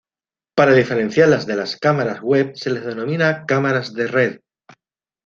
Para diferenciarlas de las cámaras web se las denomina cámaras de red.